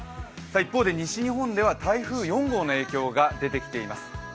一方で、西日本では台風４号の影響が出てきています。